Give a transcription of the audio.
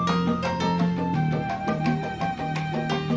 bukan dalam ujung bangsu